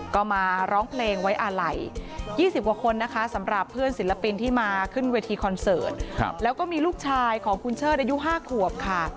ก็มาร้องเพลงไว้อาลัย๒๐กว่าคนนะคะสำหรับเพื่อนศิลปินที่มาขึ้นเวทีคอนเสิร์ตแล้วก็มีลูกชายของคุณเชิดอายุ๕ขวบค่ะ